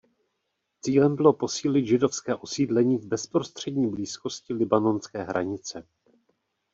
Cílem bylo posílit židovské osídlení v bezprostřední blízkosti libanonské hranice.